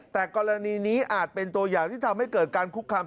แต่กรณีนี้อาจเป็นตัวอย่างที่ทำให้เกิดการคุกคาม